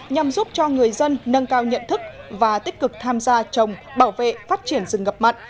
nhằm giúp cho người dân nâng cao nhận thức và tích cực tham gia trồng bảo vệ phát triển rừng ngập mặn